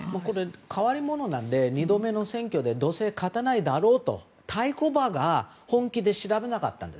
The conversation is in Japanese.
変わり者なので２度目の選挙でどうせ勝たないだろうと対抗馬が本気で調べなかったんです。